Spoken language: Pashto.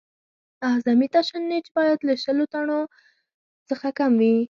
اعظمي تشنج باید له شلو ټنو څخه کم وي